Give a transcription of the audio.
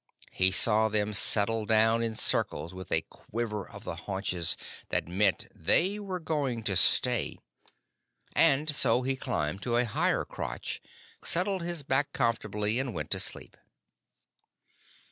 He saw them settle down in circles with a quiver of the haunches that meant they were going to stay, and so he climbed to a higher crotch, settled his back comfortably, and went to sleep.